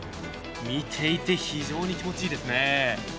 見ていて非常に気持ちがいいですね。